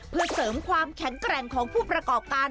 เพื่อเสริมความแข็งแกร่งของผู้ประกอบการ